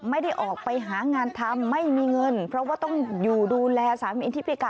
ไม่ได้ออกไปหางานทำไม่มีเงินเพราะว่าต้องอยู่ดูแลสามีที่พิการ